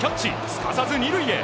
すかさず２塁へ。